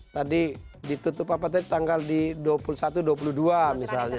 tadi ditutup apatai tanggal dua puluh satu dua puluh dua misalnya